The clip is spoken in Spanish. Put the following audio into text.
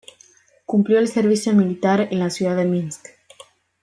Cumplió el servicio militar en la ciudad de Minsk.